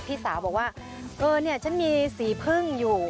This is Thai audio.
พี่สาวบอกว่าเออฉันมีสีผึ้งอยู่